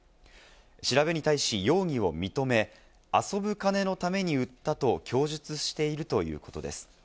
調べに対し容疑を認め、遊ぶ金のために売ったと供述しているということです。